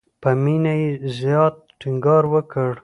په مینه یې زیات ټینګار وکړ.